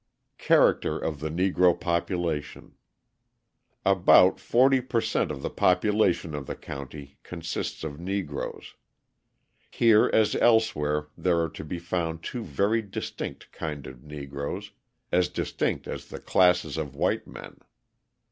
Character of the Negro Population About 40 per cent. of the population of the county consists of Negroes. Here as elsewhere there are to be found two very distinct kinds of Negroes as distinct as the classes of white men.